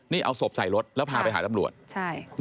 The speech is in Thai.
นี่เอาศพใส่รถแล้วพาไปหาตำรวจ